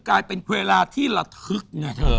กลายเป็นเวลาที่ระทึกไงเธอ